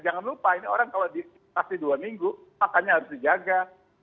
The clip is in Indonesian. jangan lupa ini orang kalau dikasih dua minggu makannya harus dijaga